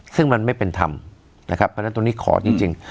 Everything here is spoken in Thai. ซึ่งมันไม่เป็นธรรมนะครับเพราะฉะนั้นตรงนี้ขอจริง